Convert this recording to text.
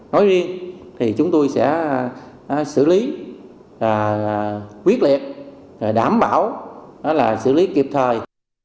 nói riêng thì chúng tôi sẽ xử lý quyết liệt và đảm bảo xử lý kịp thời